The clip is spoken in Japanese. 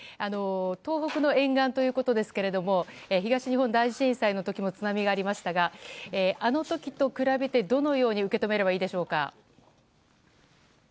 東北の沿岸ということですが東日本大震災の時も津波がありましたがあの時と比べてどのように受け止めればいいでしょうか。